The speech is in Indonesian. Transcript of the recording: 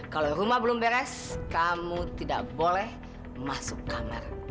kalau rumah belum beres kamu tidak boleh masuk kamar